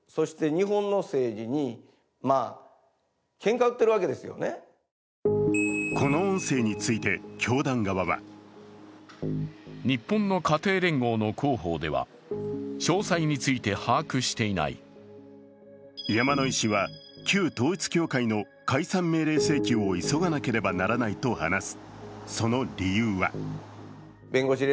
これを聞いた山井議員はこの音声について教団側は山井氏は旧統一教会の解散命令請求を急がなければならないと話す。